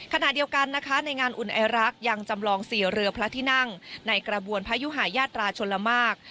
ขณะเดียวกันนะคะในงานอุ่นไอรักษ์ยังจำลอง๔เรือพระที่นั่งในกระบวนพยุหายาตราชลมาก